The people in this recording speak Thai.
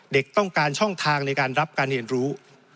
ต้องการช่องทางในการรับการเรียนรู้